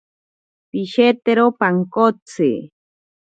Pishetero pankotsi.